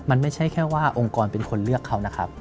มันไม่ใช่แค่ว่าองค์กรเป็นคนเลือกเขานะครับ